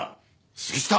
杉下！